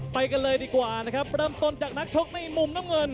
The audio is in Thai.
ไปกันเลยดีกว่านะครับเริ่มต้นจากนักชกในมุมน้ำเงิน